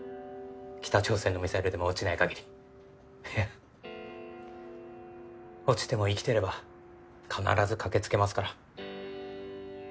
北朝鮮のミサイルでも落ちない限りいや落ちても生きてれば必ず駆けつけますから。